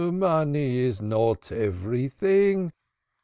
"Money is not everything.